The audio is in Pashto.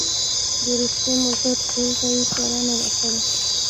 د روسیې مضر رول ته یې اشاره نه ده کړې.